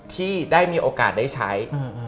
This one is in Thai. ที่ได้มีโอกาสได้ใช้